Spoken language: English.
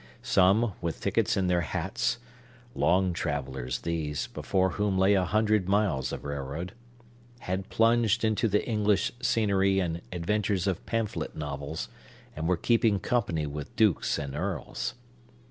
Some, with tickets in their hats (long travellers these, before whom lay a hundred miles of railroad), had plunged into the English scenery and adventures of pamphlet novels, and were keeping company with dukes and earls.